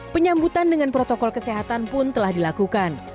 penyambutan dengan protokol kesehatan pun telah dilakukan